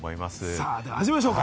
さあ始めましょうか。